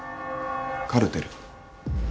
カルテル。